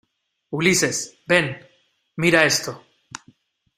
Ulises, ven. mira esto .